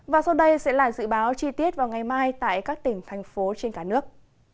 và sau đây sẽ là dự báo chi tiết vào ngày mai tại các tỉnh thành phố trên cả nước